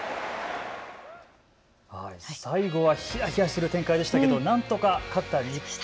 最後はひやひやする展開でしたけれどなんとか勝った日本。